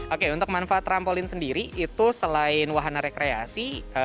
oke untuk manfaat trampolin sendiri itu selain wahana rekreasi